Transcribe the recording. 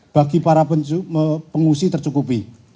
bagi para pengungsi tercukupi